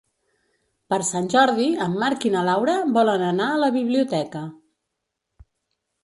Per Sant Jordi en Marc i na Laura volen anar a la biblioteca.